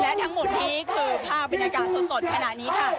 และทั้งหมดนี้คือภาพบรรยากาศสดขณะนี้ค่ะ